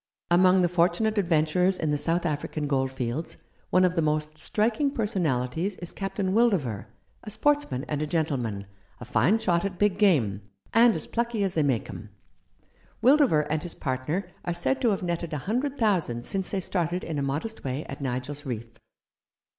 "Among the fortunate adventurers in the South African goldfields, one of the most striking per sonalities is Captain Wildover, a sportsman and a gentleman, a fine shot at big game, and as plucky as they make 'em. Wildover and his partner are said to have netted a hundred thousand since they started in a modest way at Nigel's Reef."